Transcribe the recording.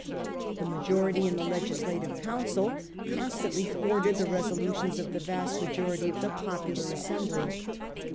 The majority in the legislative council constantly thwarted the resolutions of the vast majority of the popular assembly.